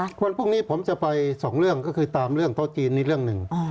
วันพรุ่งนี้ผมจะไปสองเรื่องก็คือตามเรื่องโต๊ะจีนนี่เรื่องหนึ่ง